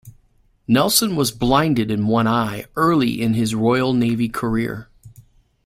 Nelson was blinded in one eye early in his Royal Navy career.